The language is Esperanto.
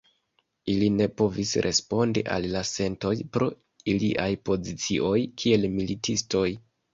Ili ne povis respondi al la sentoj, pro iliaj pozicioj kiel militistoj.